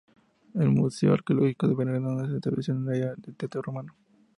El museo arqueológico de Verona se estableció en el área del teatro romano.